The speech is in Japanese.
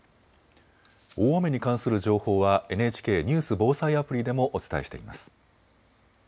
大雨に関する情報はＮＨＫニュース・防災アプリでもお伝えしています。